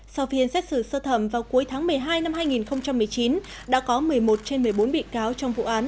sau phiên xét xử sơ thẩm vào cuối tháng một mươi hai năm hai nghìn một mươi chín đã có một mươi một trên một mươi bốn bị cáo trong vụ án